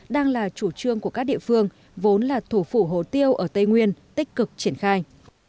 đang là chủ trương của các địa phương vốn là thủ phủ hổ tiêu ở tây nguyên tích cực triển khai